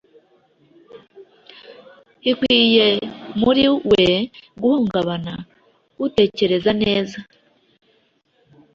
Ikwiye muri we guhungabana utekereza neza